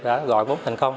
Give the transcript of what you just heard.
đã gọi vốn thành công